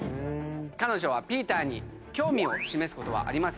彼女はピーターに興味を示すことはありませんでした。